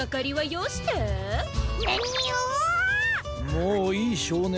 もういいしょうねん。